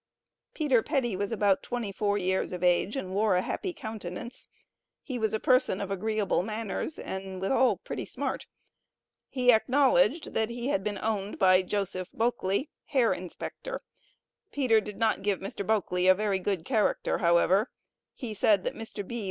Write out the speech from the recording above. PETER PETTY was about twenty four years of age, and wore a happy countenance; he was a person of agreeable manners, and withal pretty smart. He acknowledged, that he had been owned by Joseph Boukley, Hair Inspector. Peter did not give Mr. Boukley a very good character, however; he said, that Mr. B.